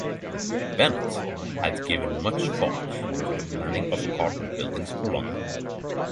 Bennett had given much thought to the planning of apartment buildings for London.